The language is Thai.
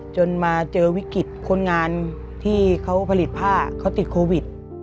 จนมาเจอวิกฤตคนงานที่เขาผลิตผ้าเขาติดโควิด